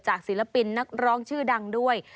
ศิลปินนักร้องชื่อดังด้วย